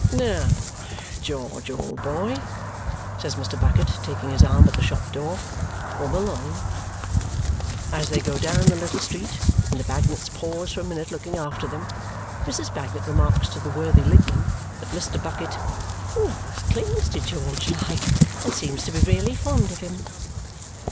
"Now George, old boy," says Mr. Bucket, taking his arm at the shop door, "come along!" As they go down the little street and the Bagnets pause for a minute looking after them, Mrs. Bagnet remarks to the worthy Lignum that Mr. Bucket "almost clings to George like, and seems to be really fond of him."